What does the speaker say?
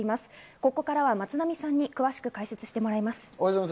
ここからは松並さんに詳しく解説していただきます。